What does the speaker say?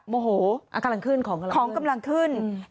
โมโหอ่ะกำลังขึ้นของของกำลังขึ้นอืม